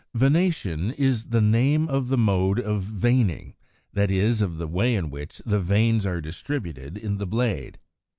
=Venation= is the name of the mode of veining, that is, of the way in which the veins are distributed in the blade.